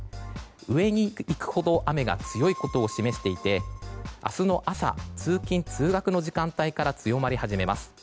上に行くほど雨が強いことを示していて明日の朝、通勤・通学の時間帯から強まり始めます。